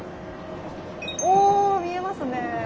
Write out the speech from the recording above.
お見えますね。